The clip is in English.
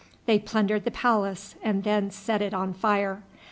They plundered the palace and then set it on fire.